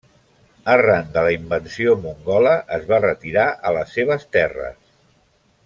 Arran de la invasió mongola es va retirar a les seves terres.